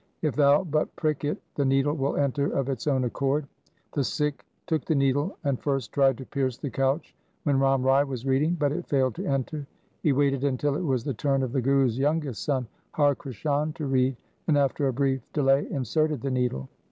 If thou but prick it, the needle will enter of its own accord.' The Sikh took the needle and first tried to pierce the couch when Ram Rai was reading, but it failed to enter. He waited until it was the turn of the Guru's youngest son, Har Krishan to read, and after a brief delay inserted the needle.